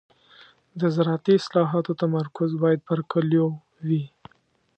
د زراعتي اصلاحاتو تمرکز باید پر کليو وي.